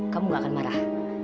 kamu gak akan marah